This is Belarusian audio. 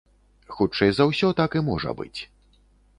Хутчэй за ўсё, так і можа быць.